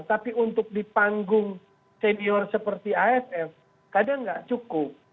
tapi untuk di panggung senior seperti aff kadang nggak cukup